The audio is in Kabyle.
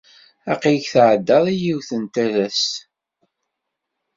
Aql-ik tɛeddad i yiwet n talast.